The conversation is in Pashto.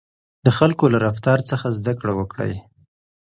د خلکو له رفتار څخه زده کړه وکړئ.